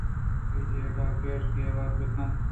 تئی جیڑہ ءَ گش ءُگیوار بہ کنت